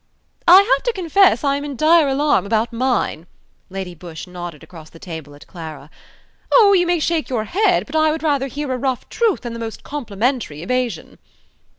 "I have to confess I am in dire alarm about mine," Lady Busshe nodded across the table at Clara. "Oh! you may shake your head, but I would rather hear a rough truth than the most complimentary evasion."